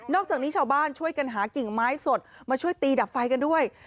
จากนี้ชาวบ้านช่วยกันหากิ่งไม้สดมาช่วยตีดับไฟกันด้วย